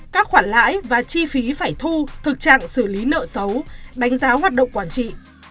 các khoản lãi và chi phí phải thu thực trạng xử lý nợ xấu đánh giá hoạt động quản trị